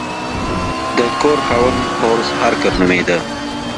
د کور خاوند هورس هارکر نومیده.